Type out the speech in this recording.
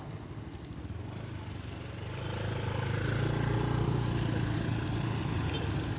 ketika penyelamat menangkap korban penyelamat menangkap korban